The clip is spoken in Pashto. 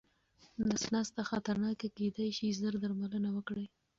نس ناسته خطرناکه کيداې شي، ژر درملنه وکړئ.